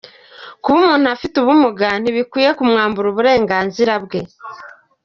Kuba umuntu afite ubumuga ntibikwiye kumwambura uburenganzira bwe.